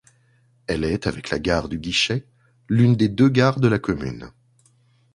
Elle est, avec la gare du Guichet, l'une des deux gares de la commune.